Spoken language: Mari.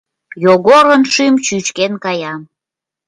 Йогорын шӱм чӱчкен кая.